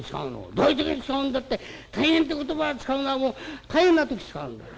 「どういう時に使うんだって大変って言葉を使うのはもう大変な時使うんだ。